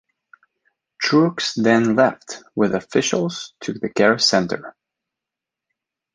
Truex then left with officials to the care center.